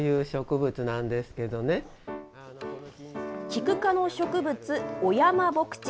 キク科の植物、オヤマボクチ。